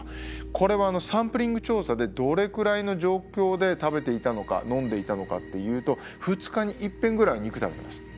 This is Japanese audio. これはサンプリング調査でどれくらいの状況で食べていたのか飲んでいたのかっていうと２日に一遍ぐらい肉食べてました。